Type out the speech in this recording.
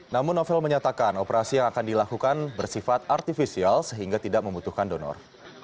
namun novel menyatakan operasi yang akan dilakukan bersifat artifisial sehingga tidak membutuhkan donor